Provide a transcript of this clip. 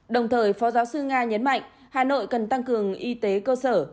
đồng thời phó giáo sư nga nhấn mạnh hà nội cần tăng cường y tế cơ sở